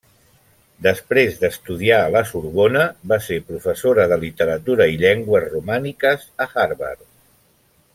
Després d’estudiar a La Sorbona, va ser professora de Literatura i Llengües romàniques a Harvard.